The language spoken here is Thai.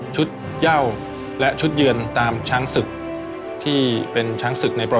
ชุดย่าวที่เราตั้งชื่อให้เนี่ยก็คือชัยานุภาพก็เป็นชื่อของเรานะครับ